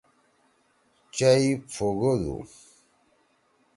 ئی پُھوگودُو۔